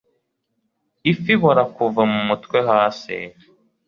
Ifi ibora kuva mumutwe hasi